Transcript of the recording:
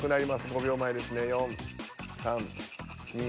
５秒前ですね４３２。